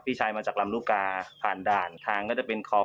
พี่ชายมาจากลำลูกกาผ่านด่านทางก็จะเป็นขอบ